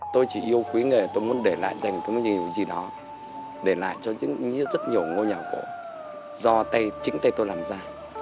tôi chỉ yêu quý nghề tôi muốn để lại dành cái gì đó để lại cho rất nhiều ngôi nhà cổ do chính tay tôi làm ra